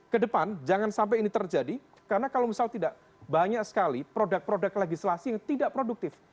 kedepan jangan sampai ini terjadi karena kalau misal tidak banyak sekali produk produk legislasi yang tidak produktif